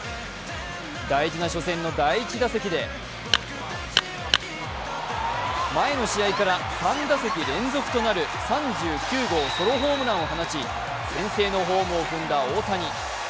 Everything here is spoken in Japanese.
大事な初戦の第１打席で前の試合から３打席連続となる３９号ソロホームランを放ち先制のホームを踏んだ大谷。